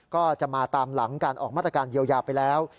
ก็จะมาตามหลังการออกมาตรการเยียวยาไปแล้ว